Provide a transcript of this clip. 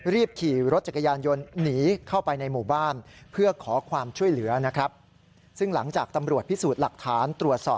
รีบขี่รถจักรยานยนต์หนีเข้าไปในหมู่บ้าน